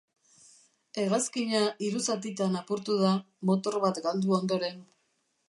Hegazkina hiru zatitan apurtu da, motor bat galdu ondoren.